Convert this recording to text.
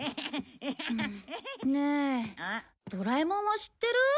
ドラえもんは知ってる？